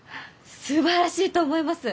すばらしいと思います！